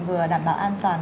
vừa đảm bảo an toàn